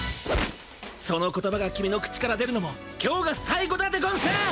その言葉が君の口から出るのも今日が最後だでゴンス！